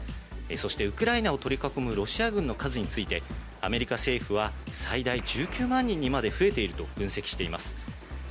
そしてウクライナを取り囲むロシア軍の数について、アメリカ政府は最大１９万人にまで増えていると分析しています。